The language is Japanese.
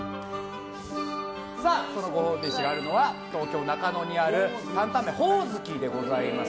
そのご褒美飯があるのは東京・中野にある担々麺ほおずきでございます。